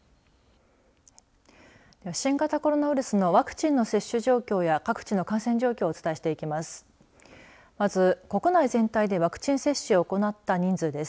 では、新型コロナウイルスのワクチンの接種状況や各地の感染状況をお伝えしていきます。